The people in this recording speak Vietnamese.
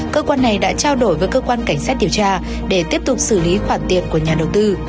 cơ quan này đã trao đổi với cơ quan cảnh sát điều tra để tiếp tục xử lý khoản tiền của nhà đầu tư